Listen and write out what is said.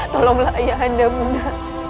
tolonglah ayah anda bunda